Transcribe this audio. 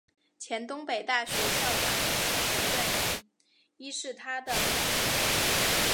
前东北大学校长西泽润一是他的表亲。